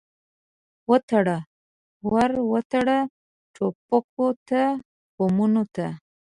وتړه، ور وتړه ټوپکو ته، بمونو ته